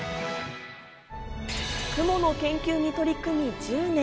雲の研究に取り組み、１０年。